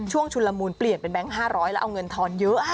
ชุนละมูลเปลี่ยนเป็นแก๊ง๕๐๐แล้วเอาเงินทอนเยอะ